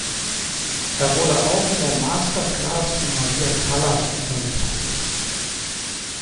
Er wurde auch in der Master-Class von Maria Callas unterrichtet.